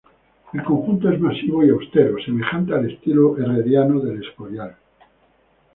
El conjunto es masivo y austero, semejante al estilo herreriano de El Escorial.